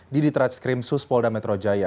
di ditreskrim suspolda metro jaya